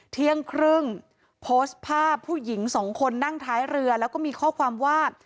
เที่ยงครึ่งโพสต์ภาพผู้หญิงสองคนนั่งท้ายเรือแล้วก็มีข้อความว่า